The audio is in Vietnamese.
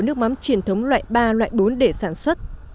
nước mắm truyền thống loại ba loại bốn để sản xuất